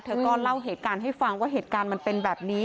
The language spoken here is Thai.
เธอก็เล่าเหตุการณ์ให้ฟังว่าเหตุการณ์มันเป็นแบบนี้